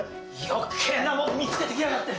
余計なもん見つけてきやがって！